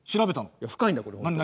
いや深いんだこれ本当。